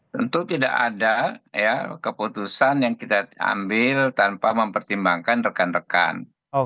tentu tidak ada keputusan yang kita ambil tanpa mempertimbangkan rekan rekan